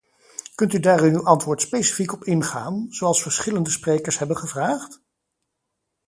Kunt u daar in uw antwoord specifiek op ingaan, zoals verschillende sprekers hebben gevraagd?